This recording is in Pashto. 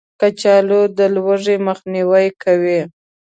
کچالو د لوږې مخنیوی کوي